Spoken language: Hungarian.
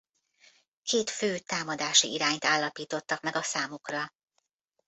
Két fő támadási irányt állapítottak meg a számukra.